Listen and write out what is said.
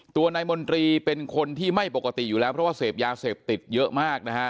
ตัวนายมนตรีเป็นคนที่ไม่ปกติอยู่แล้วเพราะว่าเสพยาเสพติดเยอะมากนะฮะ